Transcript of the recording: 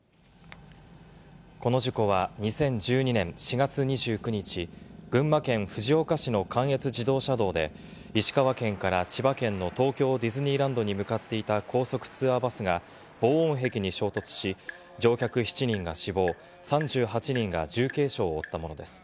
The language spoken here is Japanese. この事故は２０１２年４月２９日、群馬県藤岡市の関越自動車道で、石川県から千葉県の東京ディズニーランドに向かっていた高速ツアーバスが、防音壁に衝突し、乗客７人が死亡、３８人が重軽傷を負ったものです。